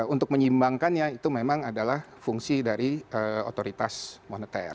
untuk menyimbangkannya itu memang adalah fungsi dari otoritas moneter